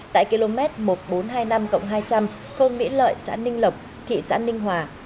tại km một nghìn bốn trăm hai mươi năm hai trăm linh thôn mỹ lợi xã ninh lộc thị xã ninh hòa